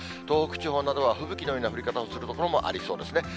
東北地方などは、吹雪のような降り方をする所もありそうですね。